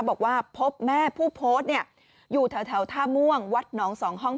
บอกว่าพบแม่ผู้โพสต์อยู่แถวท่าม่วงวัดหนองสองห้อง